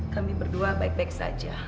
kami berdua baik baik saja